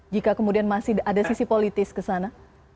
jika kemudian masih ada sisi politis kesana